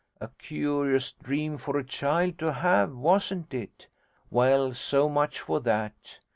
A curious dream for a child to have, wasn't it? Well, so much for that.